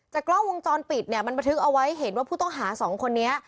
กล้องวงจรปิดเนี่ยมันบันทึกเอาไว้เห็นว่าผู้ต้องหาสองคนนี้